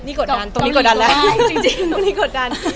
นี่กดดันตรงนี้กดดันแล้วจริงพรุ่งนี้กดดัน